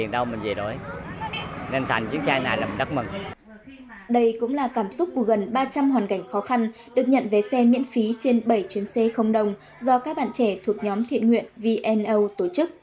đây cũng là cảm xúc của gần ba trăm linh hoàn cảnh khó khăn được nhận vé xe miễn phí trên bảy chuyến xe không đồng do các bạn trẻ thuộc nhóm thiện nguyện vno tổ chức